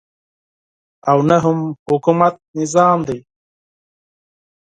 او نه هم حکومت نظام دی.